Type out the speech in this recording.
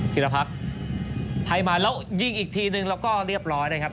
ธิรพัฒน์ไทยมาแล้วยิงอีกทีนึงแล้วก็เรียบร้อยนะครับ